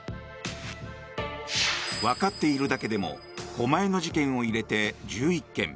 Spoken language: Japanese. わかっているだけでも狛江の事件を入れて１１件。